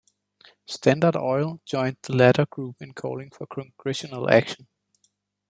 Standard Oil joined the latter group in calling for Congressional action.